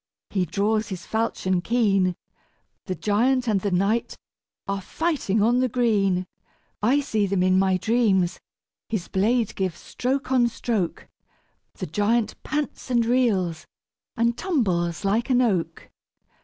He draws his falchion keen, The giant and the knight are fighting on the green; I see them in my dreams his blade gives stroke on stroke, The giant pants and reels and tumbles like an oak!